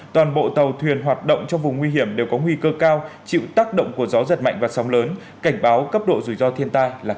toàn bộ tàu thuyền hoạt động trong vùng nguy hiểm đều có nguy cơ cao chịu tác động của gió giật mạnh và sóng lớn cảnh báo cấp độ rủi ro thiên tai là cấp cao